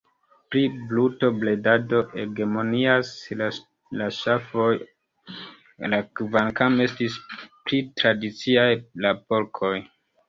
Pri brutobredado hegemonias la ŝafoj, kvankam estis pli tradiciaj la porkoj.